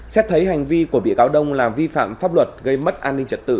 xét thấy hành vi của bị cáo đông là vi phạm pháp luật gây mất an ninh trật tự